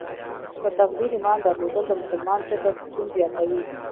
په تقدیر ایمان درلودل د مسلمان زړه ته سکون زیاتوي.